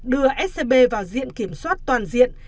đưa scb vào diện kiểm soát toàn diện